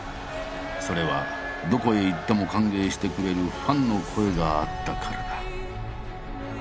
それはどこへ行っても歓迎してくれるファンの声があったからだ。